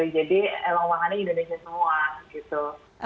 jadi emang makannya indonesia semua